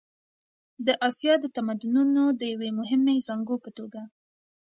د اسیا د تمدنونو د یوې مهمې زانګو په توګه.